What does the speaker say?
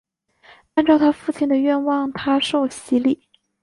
按照她父亲的愿望她受洗礼。